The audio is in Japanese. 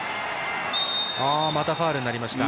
またファウルになりました。